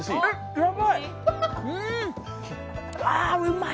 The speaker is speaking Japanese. やばい！